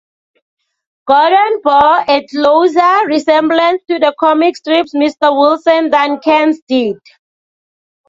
Gordon bore a closer resemblance to the comic strip's Mr. Wilson than Kearns did.